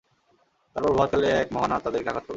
তারপর প্রভাতকালে এক মহা নাদ তাদেরকে আঘাত করল।